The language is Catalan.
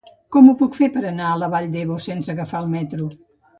Com ho puc fer per anar a la Vall d'Ebo sense agafar el metro?